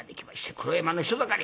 黒山の人だかり。